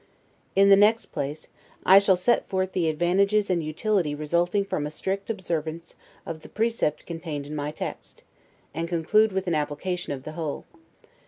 In the next place, I shall set forth the advantages and utility resulting from a strict observance of the precept contained in my text; and conclude with an application of the whole.